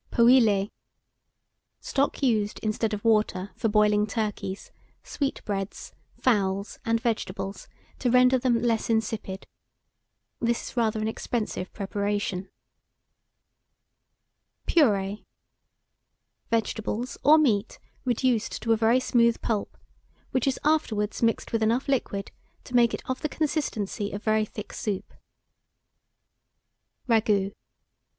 POÊLÉE. Stock used instead of water for boiling turkeys, sweetbreads, fowls, and vegetables, to render them less insipid. This is rather an expensive preparation. PURÉE. Vegetables, or meat reduced to a very smooth pulp, which is afterwards mixed with enough liquid to make it of the consistency of very thick soup. RAGOUT.